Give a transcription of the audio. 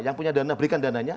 yang punya dana berikan dananya